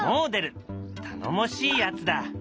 頼もしいヤツだ。